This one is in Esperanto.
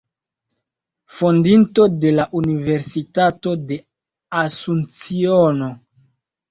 Fondinto de la Universitato de Asunciono.